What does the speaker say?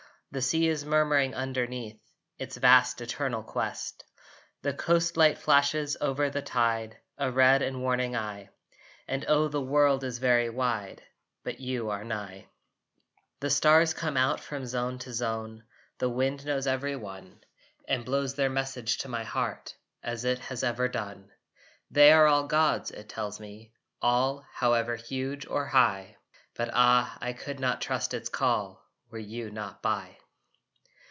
The sea is murmuring underneath Its vast eternal quest. The coast light flashes over the tide A red and warning eye, And oh the world is very wide, But you are nigh! The stars come out from zone to zone, The wind knows every one And blows their message to my heart, As it has ever done. "They are all God's," it tells me, "all, However huge or high." But ah I could not trust its call Were you not by!